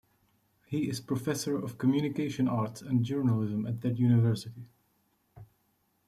He is professor of communication arts and journalism at that university.